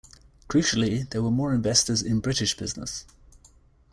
Crucially, there were more investors in British business.